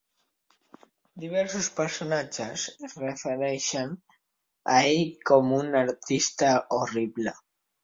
Diversos personatges es refereixen a ell com un artista horrible.